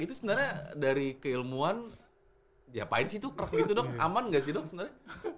itu sebenarnya dari keilmuan diapain sih tuh kerek gitu dok aman nggak sih dok sebenarnya